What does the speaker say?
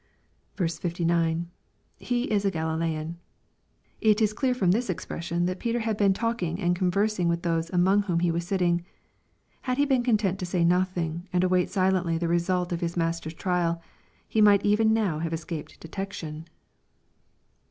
59. — [He is a Oalilcean.] It is clear from this expression that Petei had been talking and conversmg with those among whom he wag sitting. Had he been content to say nothing, and await silently the result of his Master's trial, he might even now have escaped detection.